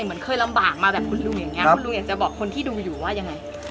เหมือนเคยลำบากมาแบบคุณลุงอย่างนี้คุณลุงอยากจะบอกคนที่ดูอยู่ว่ายังไง